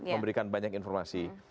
memberikan banyak informasi